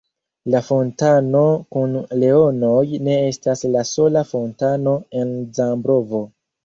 La fontano kun leonoj ne estas la sola fontano en Zambrovo.